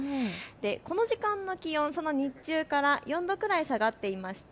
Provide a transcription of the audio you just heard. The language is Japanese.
この時間の気温、日中から４度くらい下がっていまして